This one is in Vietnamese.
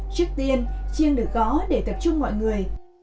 trước tiên chiêng được gõ để tập trung mọi người